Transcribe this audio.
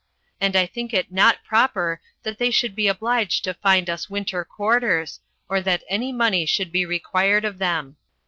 And I think it not proper that they should be obliged to find us winter quarters, or that any money should be required of them."